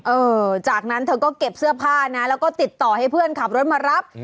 เออจากนั้นเธอก็เก็บเสื้อผ้านะแล้วก็ติดต่อให้เพื่อนขับรถมารับ